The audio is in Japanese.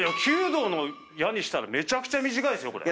弓道の矢にしたらめちゃくちゃ短いですよこれ。